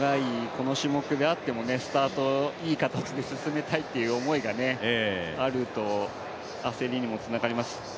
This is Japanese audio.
この種目であってもスタートいい形で進めたいという思いがあると焦りにもつながりますね。